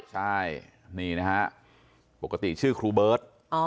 ใช่นี่นะฮะปกติชื่อครูเบิร์ต